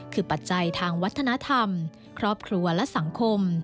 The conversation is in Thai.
คือปัจจัยทางวัฒนธรรมครอบครัวและสังคม